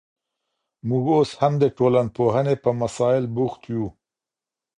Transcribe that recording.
موږ اوس هم د ټولنپوهني په مسائل بوخت یو.